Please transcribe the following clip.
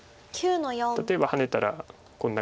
例えばハネたらこんな感じで。